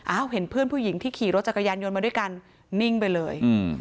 เห็นเพื่อนผู้หญิงที่ขี่รถจักรยานยนต์มาด้วยกันนิ่งไปเลย